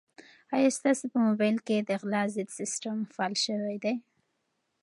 آیا ستاسو په موبایل کې د غلا ضد سیسټم فعال شوی دی؟